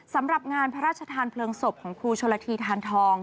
สำหรับงานพระราชทานเพลิงศพของครูชนละทีทานทอง